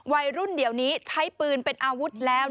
วัยรุ่นเดี๋ยวนี้ใช้ปืนเป็นอาวุธแล้ว